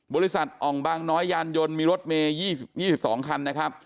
อ่องบางน้อยยานยนต์มีรถเมย์๒๒คันนะครับ